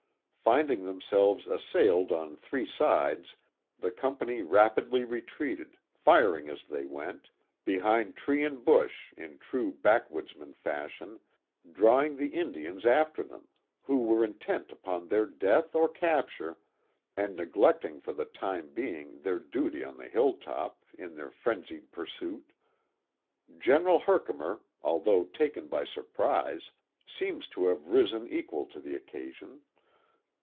Finding themselves assailed on three sides the company rapidly retreated, firing as they went, be hind tree and bush in true backwoodsmen fashion, drawing the Indians after them, who were intent upon their death or capture and neglecting for the time being their duty on the hilltop in their frenzied pursuit. General Herkimer, although taken by surprise, seems to have risen equal to the occasion.